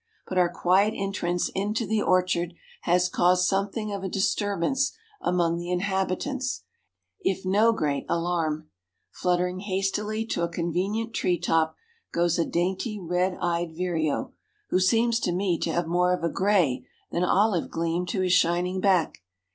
But our quiet entrance into the orchard has caused something of a disturbance among the inhabitants, if no great alarm. Fluttering hastily to a convenient tree top goes a dainty red eyed vireo, who seems to me to have more of a grey than olive gleam to his shining back.